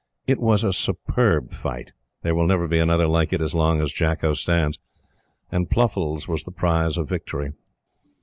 It was a superb fight there will never be another like it as long as Jakko stands and Pluffles was the prize of victory.